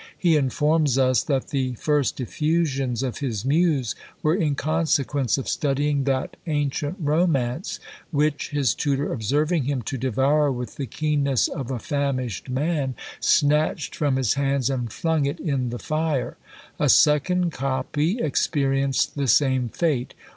He informs us that the first effusions of his muse were in consequence of studying that ancient romance, which, his tutor observing him to devour with the keenness of a famished man, snatched from his hands and flung it in the fire. A second copy experienced the same fate.